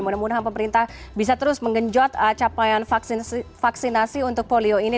mudah mudahan pemerintah bisa terus mengenjot capaian vaksinasi untuk polio ini